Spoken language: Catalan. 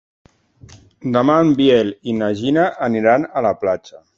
Demà en Biel i na Gina aniran a la platja.